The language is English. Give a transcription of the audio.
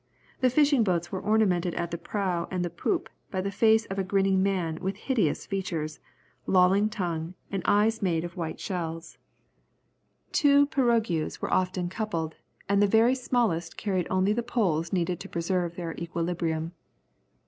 The fishing boats were ornamented at the prow and the poop by the face of a grinning man with hideous features, lolling tongue and eyes made of white shells. Two pirogues were often coupled, and the very smallest carried only the poles needed to preserve their equilibrium.